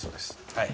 はい。